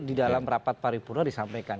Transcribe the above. di dalam rapat paripurna disampaikan